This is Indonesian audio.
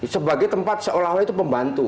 sebagai tempat seolah olah itu pembantu